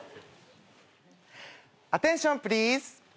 アテンションプリーズ。